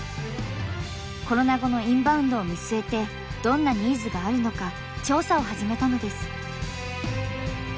コロナ後のインバウンドを見据えてどんなニーズがあるのか調査を始めたのです。